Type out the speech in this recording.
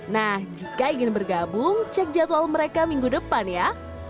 nah jika ingin bergabung cek jadwal mereka minggu depan ya